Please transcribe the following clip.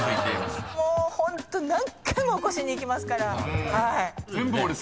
もうホント何回も起こしに行きますから。